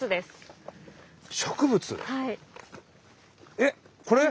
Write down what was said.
えっこれ？